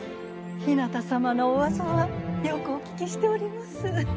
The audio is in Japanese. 日向様のお噂はよくお聞きしております。